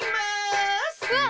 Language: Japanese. うわっ！